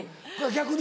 逆に？